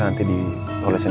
ya udah kamu sekolah ya